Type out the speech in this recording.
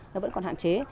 nó vẫn còn hạn chế